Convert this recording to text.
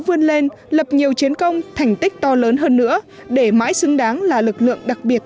vươn lên lập nhiều chiến công thành tích to lớn hơn nữa để mãi xứng đáng là lực lượng đặc biệt